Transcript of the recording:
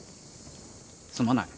すまない。